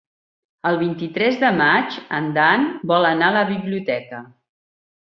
El vint-i-tres de maig en Dan vol anar a la biblioteca.